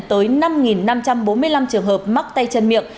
tới năm năm trăm bốn mươi năm trường hợp mắc tay chân miệng